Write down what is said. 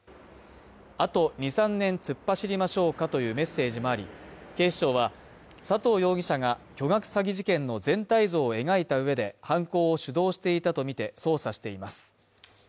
あと２３年突っ走りましょうかというメッセージもあり、警視庁は佐藤容疑者が巨額詐欺事件の全体像を描いた上で、犯行を主導していたとみて捜査しています。